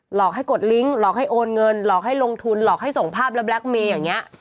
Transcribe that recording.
หลอกให้กดลิงค์หลอกให้โอนเงินหลอกให้ลงทุนหลอกให้ส่งภาพแล้วแล็คเมย์อย่างนี้